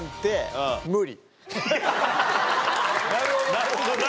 なるほどな。